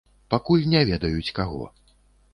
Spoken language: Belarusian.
Пакуль не ведаюць, каго.